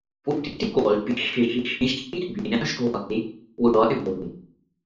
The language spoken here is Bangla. প্রতিটি কল্পের শেষে সৃষ্টির বিনাশ হওয়াকে প্রলয় বলে।